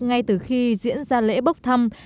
ngay từ khi diễn ra lễ bốc thăm